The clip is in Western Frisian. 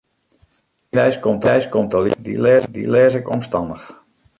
Middeis komt de Ljouwerter, dy lês ik omstannich.